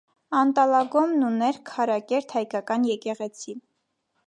Անտալագոմն ուներ քարակերտ հայկական եկեղեցի։